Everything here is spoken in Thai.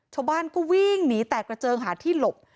ชาวบ้านก็วิ่งหนีแตกกระเจิงหาที่หลบ